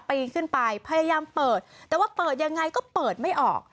ปีนขึ้นไปพยายามเปิดแต่ว่าเปิดยังไงก็เปิดไม่ออก